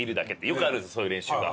よくあるんですよそういう練習が。